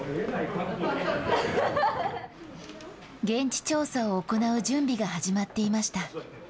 現地調査を行う準備が始まっていました。